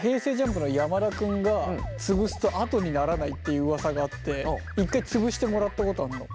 ＪＵＭＰの山田君が潰すと跡にならないっていううわさがあって一回潰してもらったことあんの。